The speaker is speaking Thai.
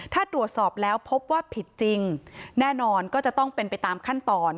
ถ้าตรวจสอบแล้วพบว่าผิดจริงแน่นอนก็จะต้องเป็นไปตามขั้นตอน